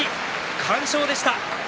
完勝でした。